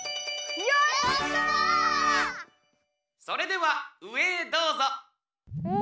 それではうえへどうぞ！